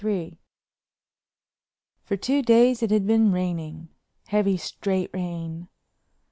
III For two days it had been raining, heavy straight rain.